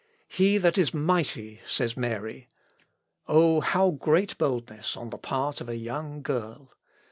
"'He that is mighty,' says Mary. Oh! how great boldness on the part of a young girl!